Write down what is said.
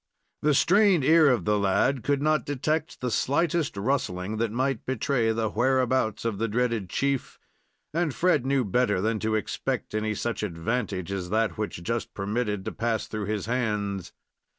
The strained ear of the lad could not detect the slightest rustling that might betray the where abouts of the dreaded chief, and Fred knew better than to expect any such advantage as that which just permitted to pass through his hands.